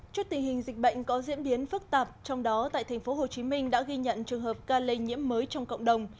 trước tình hình dịch bệnh có diễn biến phức tạp trong đó tại tp hcm đã ghi nhận trường hợp ca lây nhiễm mới trong cộng đồng